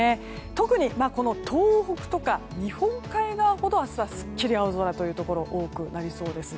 特に、この東北とか日本海側ほど明日はすっきり青空のところが多くなりそうです。